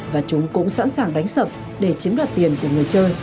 và chúng cũng sẵn sàng đánh sập để chiếm đoạt tiền của người chơi